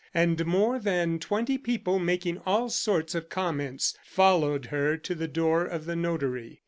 And more than twenty people making all sorts of comments, followed her to the door of the notary.